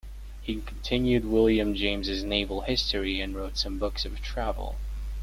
He continued William James's "Naval History" and wrote some books of travel.